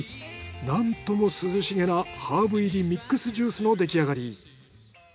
なんとも涼し気なハーブ入りミックスジュースの出来上がり。